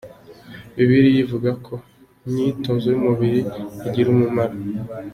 Bibiliya ivuga ko “imyitozo y’umubiri igira umumaro.